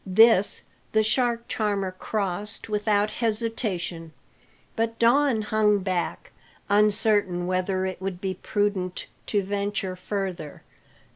This the shark charmer crossed without hesitation, but Don hung back, uncertain whether it would be prudent to venture further.